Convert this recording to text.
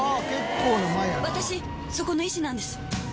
私そこの医師なんです。